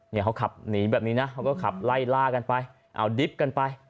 เนี่ยเขาขับหนีแบบนี้นะเขาก็ขับไล่ล่ากันไปเอาดิบกันไป